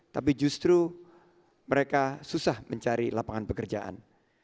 tapi justru mereka susah mencari lapangan pekerjaan